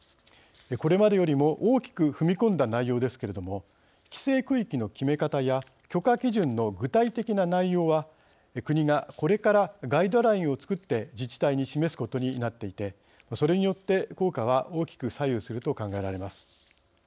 これまでよりも大きく踏み込んだ内容ですけれども規制区域の決め方や許可基準の具体的な内容は国がこれからガイドラインを作って自治体に示すことになっていてそれによって効果は大きく左右すると考えられます。